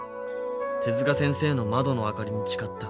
手先生の窓の明かりに誓った。